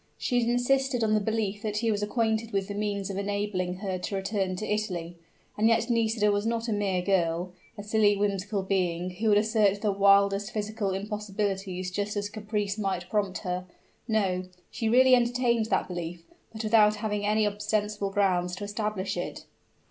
She had insisted on the belief that he was acquainted with the means of enabling her to return to Italy; and yet Nisida was not a mere girl a silly, whimsical being, who would assert the wildest physical impossibilities just as caprice might prompt her. No she really entertained that belief but without having any ostensible grounds to establish it.